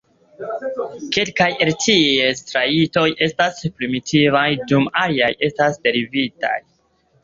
Kelkaj el ties trajtoj estas primitivaj dum aliaj estas derivitaj.